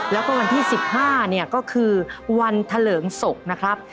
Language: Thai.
แล้วก็วันที่๑๕เนี่ยก็คือวันเถลิงศพนะครับ